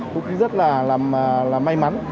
cũng rất là may mắn